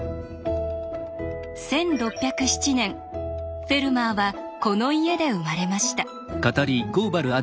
１６０７年フェルマーはこの家で生まれました。